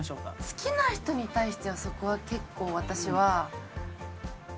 好きな人に対してはそこは結構私は。